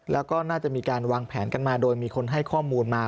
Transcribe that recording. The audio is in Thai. แล้วก็น่าจะมีการวางแผนกันมาโดยมีคนให้ข้อมูลมา